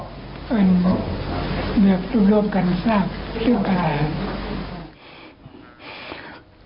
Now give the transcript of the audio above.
มันเหมือนร่วมกันทราบเรื่องอะไร